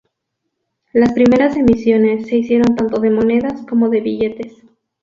Las primeras emisiones se hicieron tanto de monedas como de billetes.